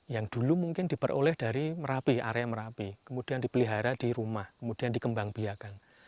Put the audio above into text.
yang dulu mungkin diperoleh dari merapi area merapi kemudian dipelihara di rumah kemudian dikembang biakan